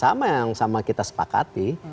sama yang sama kita sepakati